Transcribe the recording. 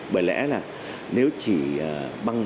bởi lẽ là nếu chỉ bằng